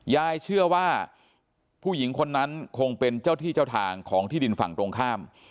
ยายเชื่อว่าผู้หญิงคนนั้นคงเป็นเจ้าที่เจ้าทางของที่ดินฝั่งตรงข้าม